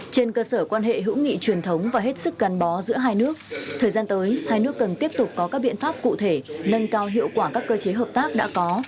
trên cơ sở quan hệ hữu nghị truyền thống và hết sức gắn bó giữa hai nước thời gian tới hai nước cần tiếp tục có các biện pháp cụ thể nâng cao hiệu quả các cơ chế hợp tác đã có